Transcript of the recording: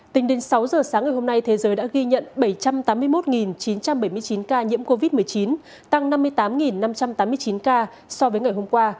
tính đến sáu giờ sáng ngày hôm nay thế giới đã ghi nhận bảy trăm tám mươi một chín trăm bảy mươi chín ca nhiễm covid một mươi chín tăng năm mươi tám năm trăm tám mươi chín ca so với ngày hôm qua